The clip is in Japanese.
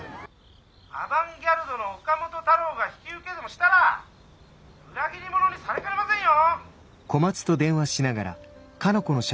☎アバンギャルドの岡本太郎が引き受けでもしたら裏切り者にされかねませんよ。